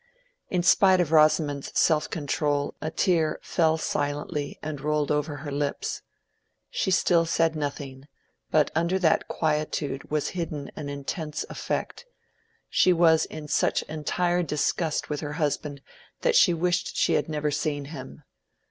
In spite of Rosamond's self control a tear fell silently and rolled over her lips. She still said nothing; but under that quietude was hidden an intense effect: she was in such entire disgust with her husband that she wished she had never seen him.